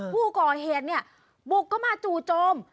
ผู้ก่อเหตุเนี่ยบุกเข้ามาจู่โจม